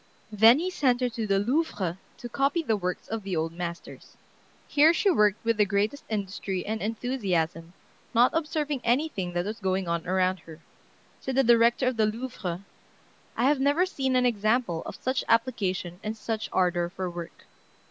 Then he sent her to the Louvre to copy the works of the old masters. Here she worked with the greatest industry and enthusiasm, not observing anything that was going on around her. Said the director of the Louvre, "I have never seen an example of such application and such ardor for work."